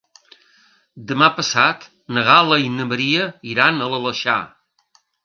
Demà passat na Gal·la i na Maria iran a l'Aleixar.